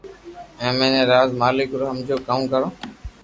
اي مي بي راز مالڪ رو ھمو ڪاو ڪرو